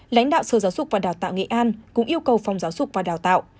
lãnh đạo sở giáo dục và đào tạo nghệ an cũng yêu cầu phòng giáo dục và đào tạo